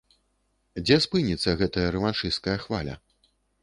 Дзе спыніцца гэтая рэваншысцкая хваля?